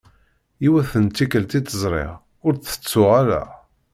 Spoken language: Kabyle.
Yiwet n tikelt i tt-ẓriɣ, ur tt-tettuɣ ara.